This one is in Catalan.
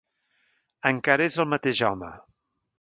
Encara és el mateix home!